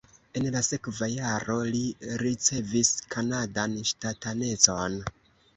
En la sekva jaro li ricevis kanadan ŝtatanecon.